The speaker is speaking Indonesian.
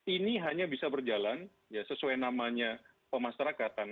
ini hanya bisa berjalan sesuai namanya pemasarakatan